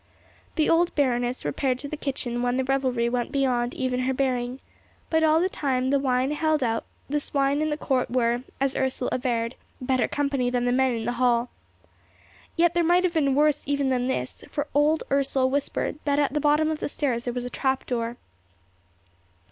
The old baroness repaired to the kitchen when the revelry went beyond even her bearing; but all the time the wine held out, the swine in the court were, as Ursel averred, better company than the men in the hall. Yet there might have been worse even than this; for old Ursel whispered that at the bottom of the stairs there was a trap door.